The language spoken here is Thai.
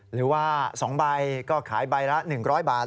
หรือว่า๒ใบก็ขายใบละ๑๐๐บาท